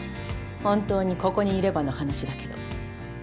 本当にここにいればの話だけど。